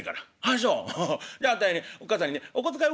「あそうじゃあたいねおっ母さんにねお小遣い